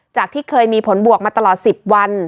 ที่เคยมีผลบวกมาตลอด๑๐วัน